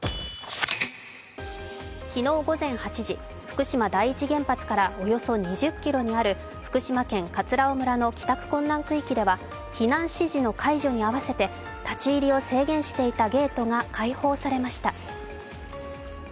昨日、午前８時、福島第一原発からおよそ２０ｋｍにある福島県葛尾村の帰宅困難区域では、避難指示の解除に合わせて立ち入りを制限していたゲートが開放されました。